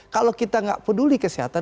kalau kita nggak peduli kesehatan